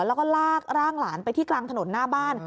แล้วก็ลากร่างหลานไปที่กลางถนนหน้าบ้าน